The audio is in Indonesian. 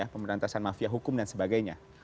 pemberantasan mafia hukum dan sebagainya